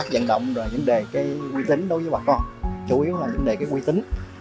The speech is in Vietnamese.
vận động là vấn đề quy tính đối với bà con chủ yếu là vấn đề quy tính